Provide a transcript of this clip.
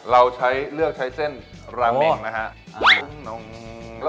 เราเลือกใช้เส้นราเมงนะฮะ